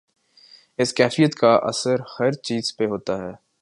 اس کیفیت کا اثر ہر چیز پہ ہوتا ہے۔